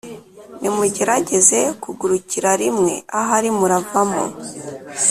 nimugerageze kugurukira rimwe ahari muravamo.